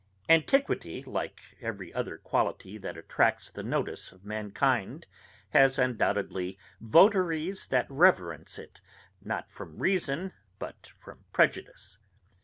Antiquity, like every other quality that attracts the notice of mankind, has undoubtedly votaries that reverence it, not from reason, but from prejudice.